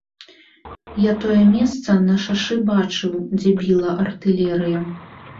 Я тое месца на шашы бачыў, дзе біла артылерыя.